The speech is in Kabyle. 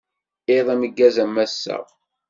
Iḍ ameggaz a massa.